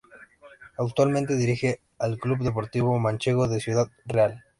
Actualmente dirige al Club Deportivo Manchego, de Ciudad Real.